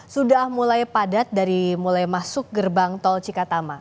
sudah mulai padat dari mulai masuk gerbang tol cikatama